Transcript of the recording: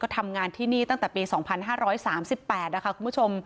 ทำงานที่นี่ตั้งแต่ปี๒๕๓๘นะคะคุณผู้ชม